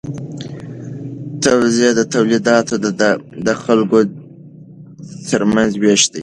توزیع د تولیداتو د خلکو ترمنځ ویش دی.